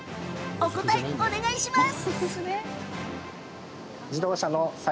お答え、お願いします。